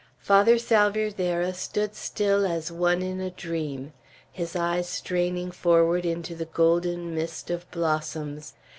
Father Salvierderra stood still as one in a dream, his eyes straining forward into the golden mist of blossoms.